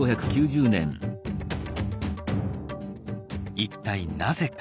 一体なぜか。